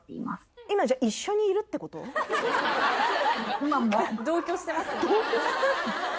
今も・同居してます？